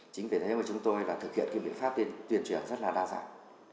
chính vì thế mà chúng tôi đã thực hiện các biện pháp tuyên truyền rất là đa dạng